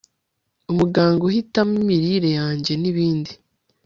umuganga uhitamo imirire yanjye, nibindi